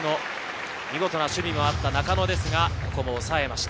見事な守備もあった中野ですが抑えました。